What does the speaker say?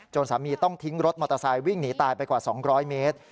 สามีต้องทิ้งรถมอเตอร์ไซค์วิ่งหนีตายไปกว่า๒๐๐เมตร